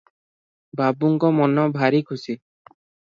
ବାବୁଙ୍କ ମନ ଭାରି ଖୁସି ।